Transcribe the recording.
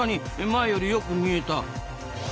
前よりよく見えた。